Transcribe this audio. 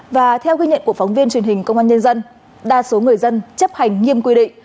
và theo ghi nhận của phóng viên truyền hình công an nhân dân đa số người dân chấp hành nghiêm quy định